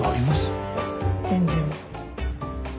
全然。